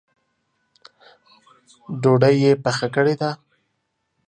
ډوډۍ یې پخه کړې ده؟